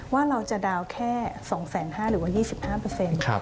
ว่าเราจะดาวน์แค่๒๕๐๐๐๐บาทหรือว่า๒๕